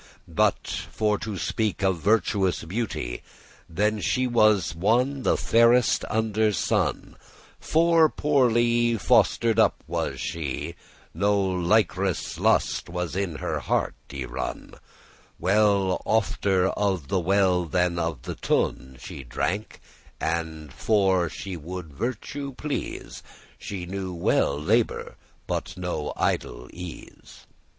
But for to speak of virtuous beauty, Then was she one the fairest under sun: Full poorely y foster'd up was she; No *likerous lust* was in her heart y run; *luxurious pleasure* Well ofter of the well than of the tun She drank, <4> and, for* she woulde virtue please *because She knew well labour, but no idle ease.